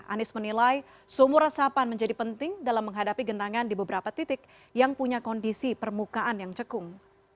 anies menilai sumur resapan menjadi penting dalam menghadapi genangan di beberapa titik yang punya kondisi permukaan yang cekung